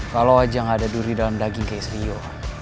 kalau aja gak ada duri dalam daging kayak rio